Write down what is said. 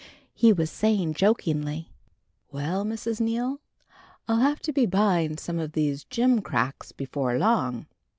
He was saying jokingly: "Well, Mrs. Neal, I'll have to be buying some of these jimcracks before long.